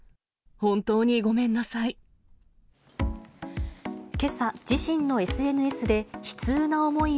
本当にごめんなさい。